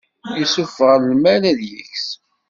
Yessufeɣ lmal ad yeks.